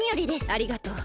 ありがとう。